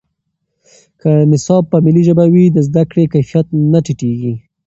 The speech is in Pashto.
که نصاب په ملي ژبه وي، د زده کړې کیفیت نه ټیټېږي.